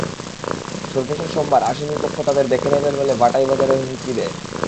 সর্বশেষ সোমবার আসামিপক্ষ তাঁদের দেখে নেবেন বলে ভাটই বাজারে হুমকি দেয়।